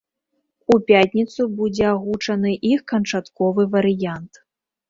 У пятніцу будзе агучаны іх канчатковы варыянт.